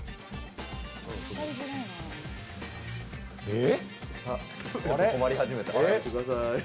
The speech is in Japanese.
えっ？